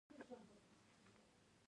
کهسان ولسوالۍ پولې ته نږدې ده؟